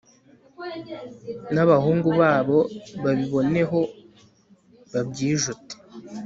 n'abahungu babo babiboneho babyijute